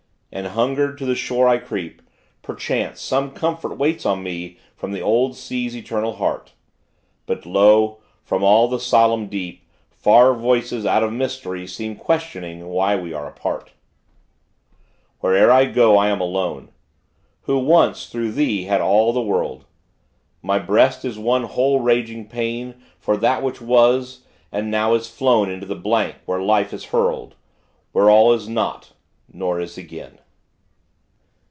An hungered, to the shore I creep, Perchance some comfort waits on me From the old Sea's eternal heart; But lo! from all the solemn deep, Far voices out of mystery Seem questioning why we are apart! "Where'er I go I am alone Who once, through thee, had all the world. My breast is one whole raging pain For that which was, and now is flown Into the Blank where life is hurled Where all is not, nor is again!"